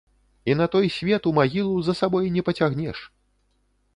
І на той свет у магілу за сабой не пацягнеш.